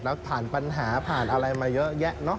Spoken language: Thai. แล้วผ่านปัญหาผ่านอะไรมาเยอะแยะเนอะ